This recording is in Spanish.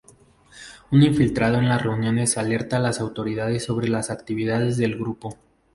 Un infiltrado en las reuniones alerta a las autoridades sobre las actividades del grupo.